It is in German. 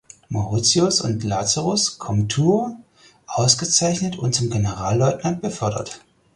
Mauritius und Lazarus (Komtur) ausgezeichnet und zum Generalleutnant befördert.